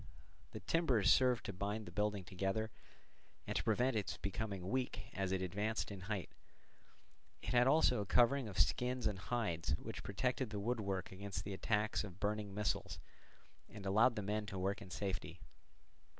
The timbers served to bind the building together, and to prevent its becoming weak as it advanced in height; it had also a covering of skins and hides, which protected the woodwork against the attacks of burning missiles and allowed the men to work in safety.